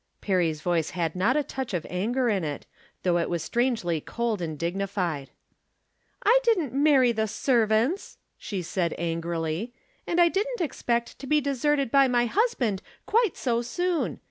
Perry's voice had not a touch of anger in it, though it was strangely cold and dignified. " I didn't marry the servants !" she said, an grily. " And I didn't expect to be deserted by any husband quite so soon.